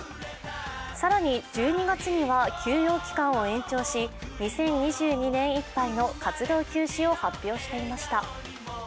更に１２月には休養期間を延長し、２０２２年いっぱいの活動休止を発表していました。